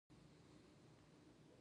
رومیان له یخو اوبو سره تازه خوري